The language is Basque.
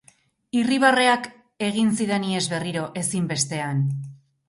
Irribarreak egin zidan ihes berriro, ezinbestean.